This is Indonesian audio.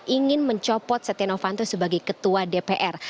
ingin mencopot setia novanto sebagai ketua dpr